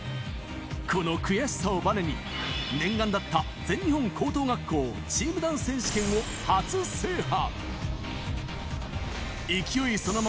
この悔しさをばねに、念願だった全日本高等学校チームダンス選手権を初制覇。